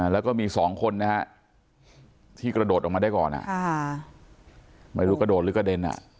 แล้วก็มีสองคนนะฮะที่กระโดดออกมาได้ก่อนไม่รู้กระโดดหรือกระเด็น